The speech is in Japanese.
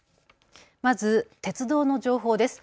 まず鉄道の情報です。